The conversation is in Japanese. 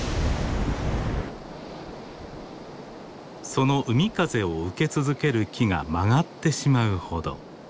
その海風を受け続ける木が曲がってしまうほど。